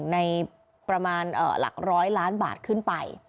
ในประมาณหลักร้อยล้านบาทขึ้นไป